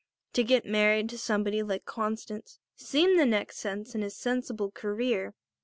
To get married to somebody like Constance seemed the next step in his sensible career.